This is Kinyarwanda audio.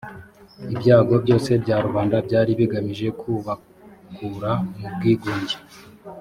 ibyago byose bya rubanda byari bigamije kubakura mubwigunjye